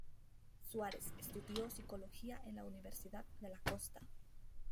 Suárez estudió psicología en la Universidad de la Costa.